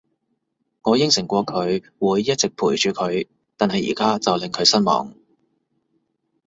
我應承過佢會一直陪住佢，但係而家就令佢失望